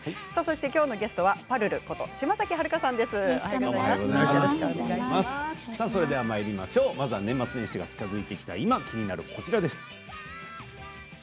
きょうのゲストは、ぱるることまずは年末年始が近づいてきた今、気になるこちらです。